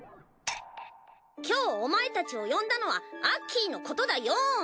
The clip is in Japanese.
今日お前たちを呼んだのはアッキーのことだよん！